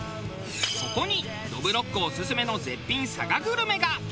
そこにどぶろっくオススメの絶品佐賀グルメが。